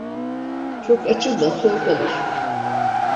Çok açılma, soğuk alırsın.